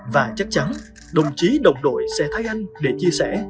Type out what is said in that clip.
và chắc chắn đồng chí đồng đội sẽ thay anh để chia sẻ